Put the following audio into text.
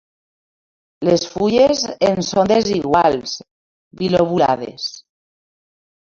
Les fulles en són desiguals, bilobulades.